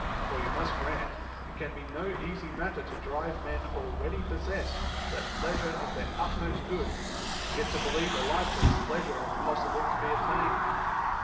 For you must grant, it can be no easy matter to drive men already possessed that pleasure is their utmost good yet to believe a life of pleasure impossible to be attained.